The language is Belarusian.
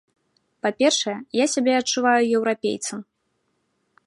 Па-першае, я сябе адчуваю еўрапейцам.